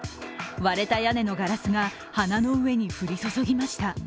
割れた屋根のガラスが花の上に降り注ぎました。